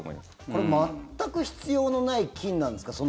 これ、全く必要のない菌なんですか？